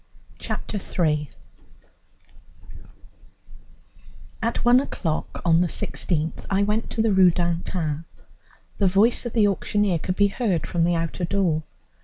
Chapter III At one o'clock on the 16th I went to the Rue d'Antin. The voice of the auctioneer could be heard from the outer door.